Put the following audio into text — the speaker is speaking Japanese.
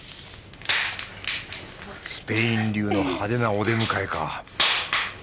スペイン流の派手なお出迎えか